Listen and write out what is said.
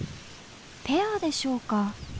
ペアでしょうか？